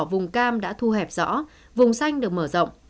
vùng cam đã thu hẹp rõ vùng xanh được mở rộng